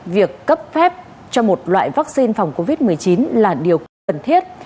việc cấp phép cho một loại vaccine phòng covid một mươi chín là điều cần thiết